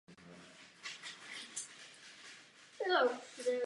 Všechny tyto boje byly pro Španělsko velmi vyčerpávající.